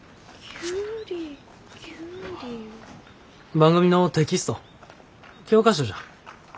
番組のテキスト教科書じゃ。